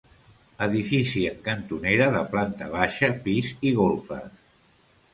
Edifici en cantonera de planta baixa, pis i golfes.